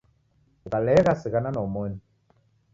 Ukalegha sighana na omoni